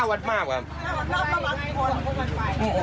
หน้าวัดมากครับ